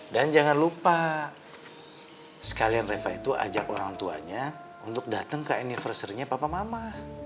dan jangan lupa sekalian reva itu ajak orang tuanya untuk datang ke anniversary nya papa mama